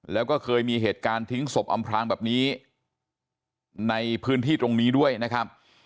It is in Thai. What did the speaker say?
แล้วก็เคยมีเหตุการณ์ทิ้งศพอำพลางแบบนี้ในพื้นที่ตรงนี้ด้วยนะครับ